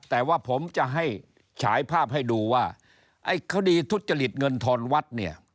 แต่ว่าผมจะให้ฉายภาพให้ดูว่าไอ้คดีทุจริตเงินทอนวัดเนี่ย